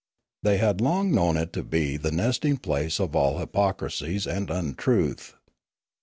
They had long known it to be the nesting place of all hypocrisies and untruth.